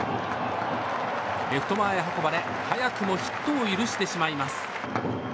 レフト前へ運ばれ、早くもヒットを許してしまいます。